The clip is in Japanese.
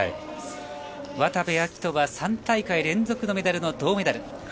渡部暁斗は３大会連続のメダルの銅メダル。